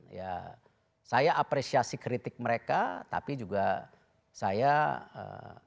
ya saya apresiasi kritik mereka tapi juga saya ya harus mengerti